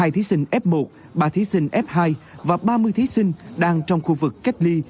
hai thí sinh f một ba thí sinh f hai và ba mươi thí sinh đang trong khu vực cách ly